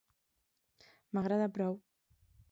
M'agrada prou!